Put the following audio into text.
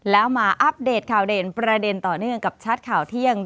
แล้วมาอัปเดตข่าวเด่นประเด็นต่อเนื่องกับชัดข่าวเที่ยง